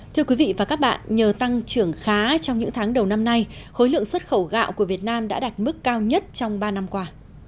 thưa quý vị và các bạn nhờ tăng trưởng khá trong những tháng đầu năm nay khối lượng xuất khẩu gạo của việt nam đã đạt mức cao nhất trong ba năm qua